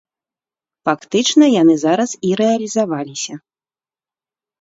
Фактычна яны зараз і рэалізаваліся.